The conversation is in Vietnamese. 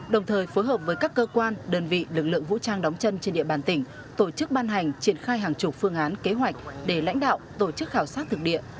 đồng thời phối hợp với các cơ quan đơn vị lực lượng vũ trang đóng chân trên địa bàn tỉnh tổ chức ban hành triển khai hàng chục phương án kế hoạch để lãnh đạo tổ chức khảo sát thực địa